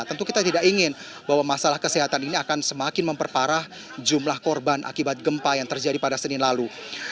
tentu kita tidak ingin bahwa masalah kesehatan ini akan semakin memperparah jumlah korban akibat gempa yang terjadi pada senin lalu